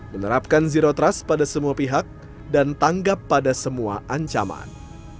menerapkan zero trust pada semua pihak dan tanggap pada semua ancaman